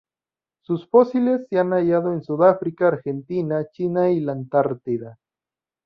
Sus fósiles se han hallado en Sudáfrica, Argentina, China y la Antártida.